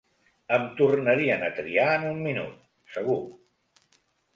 Em tornarien a triar en un minut, segur!